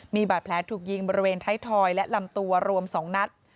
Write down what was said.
มีบาดแผลถูกยิงบริเวณท้ายทอยและลำตัวรวม๒นัด